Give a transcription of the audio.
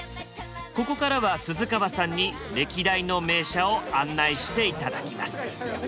ここからは鈴川さんに歴代の名車を案内して頂きます。